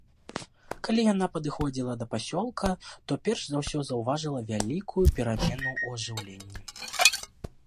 Калі яна падыходзіла да пасёлка, то перш за ўсё заўважыла вялікую перамену ў ажыўленні.